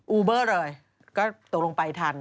ูเบอร์เลยก็ตกลงไปทัน